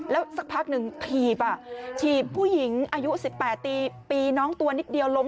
แล้วสักพักหนึ่งถีบถีบผู้หญิงอายุ๑๘ปีปีน้องตัวนิดเดียวล้ม